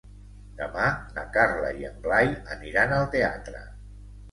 Demà na Carla i en Blai aniran al teatre.